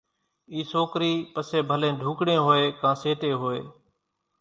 اِي سوڪري پسي ڀلي ڍوڪڙي ھوئي ڪان سيٽي ھوئي،